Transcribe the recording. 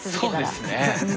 そうですね。